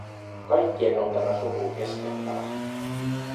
Kaikkien on tämä suru kestettävä.